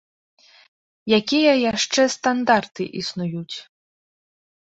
Якія яшчэ стандарты існуюць?